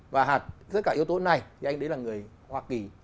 và tất cả yếu tố này thì anh đấy là người hoa kỳ